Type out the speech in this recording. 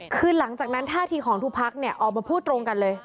คือหลังจากนั้นท่าทีของทุกพักเนี่ยออกมาพูดตรงกันเลย